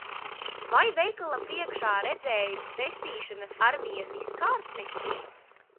Vai veikala priekšā redzēji Pestīšanas armijas izkārtni?